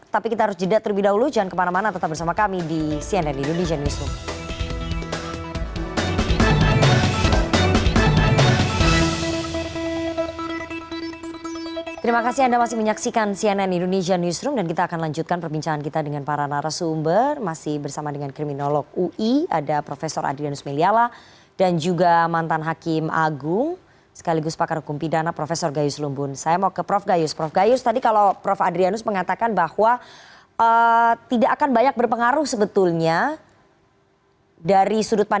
tapi kita harus jeda terlebih dahulu